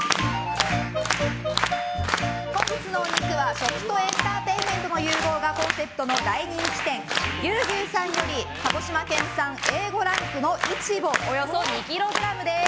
本日のお肉は、食とエンターテインメントの融合がコンセプトの大人気店牛牛さんより鹿児島県産Ａ５ランクイチボおよそ２ｋｇです。